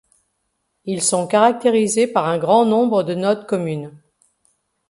Ils sont caractérisés par un grand nombre de notes communes.